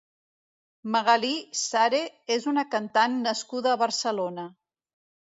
Magalí Sare és una cantant nascuda a Barcelona.